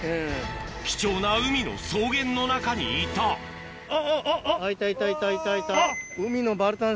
貴重な海の草原の中にいたうわ